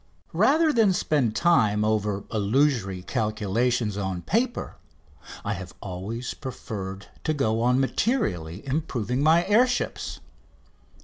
Rather than spend time over illusory calculations on paper I have always preferred to go on materially improving my air ships.